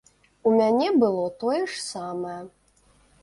У мяне было тое ж самае.